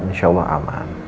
insya allah aman